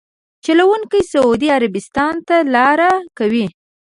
چلونکي سعودي عربستان ته لاره کوي.